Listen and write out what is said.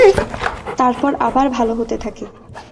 তারপর আবার ভালো হতে থাকে।